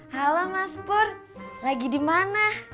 halo mas pur lagi dimana